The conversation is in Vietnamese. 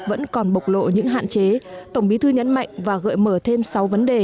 vẫn còn bộc lộ những hạn chế tổng bí thư nhấn mạnh và gợi mở thêm sáu vấn đề